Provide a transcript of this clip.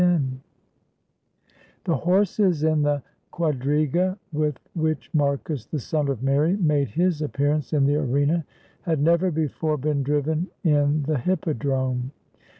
492 THE WINNING OF THE FIRST MISSUS The horses in the quadriga with which Marcus, the son of Mary, made his appearance in the arena had never before been driven in the hippodrome.